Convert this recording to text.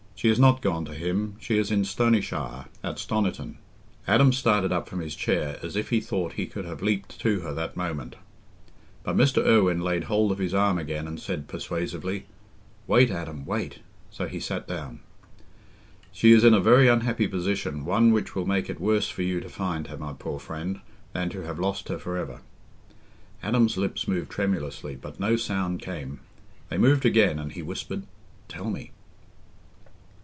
She is not gone to him. She is in Stonyshire—at Stoniton." Adam started up from his chair, as if he thought he could have leaped to her that moment. But Mr. Irwine laid hold of his arm again and said, persuasively, "Wait, Adam, wait." So he sat down. "She is in a very unhappy position—one which will make it worse for you to find her, my poor friend, than to have lost her for ever." Adam's lips moved tremulously, but no sound came. They moved again, and he whispered, "Tell me."